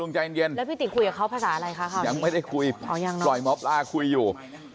แล้วพี่ตีคุยกับเขาภาษาอะไรนะครับเกิดยังไม่ได้คุยลอยหมอปลาคุยยู่